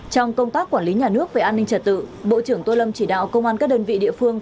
trong công tác quản lý nhà nước về an ninh trật tự bộ trưởng tô lâm chỉ đạo công an các đơn vị địa phương